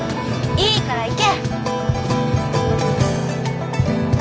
いいから行け！